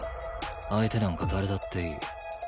相手なんか誰だっていい。